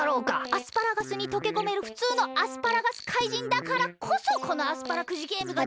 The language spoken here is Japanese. アスパラガスにとけこめるフツウのアスパラガスかいじんだからこそこのアスパラくじゲームが。